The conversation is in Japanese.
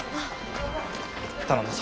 頼んだぞ。